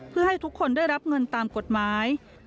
เพื่อให้ทุกคนได้รับเงินตามกฎหมาย